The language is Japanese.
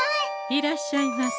いらっしゃいませ。